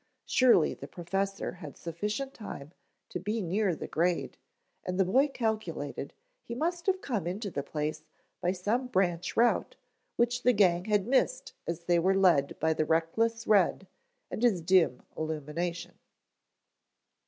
Surely the professor had sufficient time to be near the grade, and the boy calculated he must have come into the place by some branch route which the gang had missed as they were led by the reckless Red and his dim illumination.